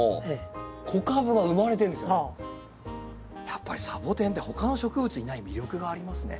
やっぱりサボテンって他の植物にない魅力がありますね。